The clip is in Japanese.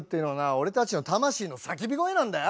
俺たちの魂の叫び声なんだよ。